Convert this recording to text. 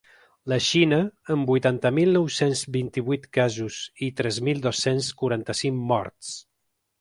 La Xina, amb vuitanta mil nou-cents vint-i-vuit casos i tres mil dos-cents quaranta-cinc morts.